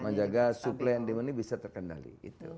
menjaga suplai yang dimana bisa terkendali